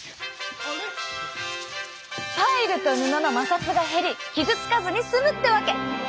パイルと布の摩擦が減り傷つかずに済むってわけ！